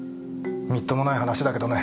みっともない話だけどね